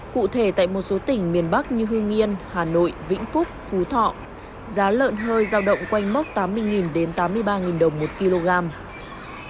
cụ thể tại một số tỉnh miền bắc như hương yên hà nội vĩnh phúc phú thọ giá lợn hơi giao động quanh mốc tám mươi đến tám mươi ba đồng một kg